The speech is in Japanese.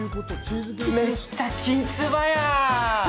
めっちゃきんつばやーん。